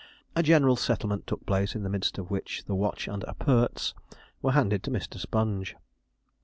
A general settlement took place, in the midst of which the 'watch and appurts' were handed to Mr. Sponge.